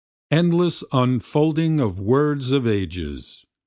23 Endless unfolding of words of ages!